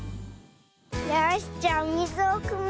よしじゃあおみずをくむよ。